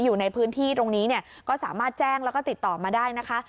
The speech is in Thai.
อยู่ในพื้นที่ตรงนี้เนี่ยก็สามารถแจ้งแล้วก็ติดต่อมาได้นะคะ